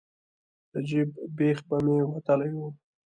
د جیب بیخ به مې وتلی و.